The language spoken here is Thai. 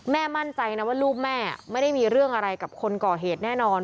มั่นใจนะว่าลูกแม่ไม่ได้มีเรื่องอะไรกับคนก่อเหตุแน่นอน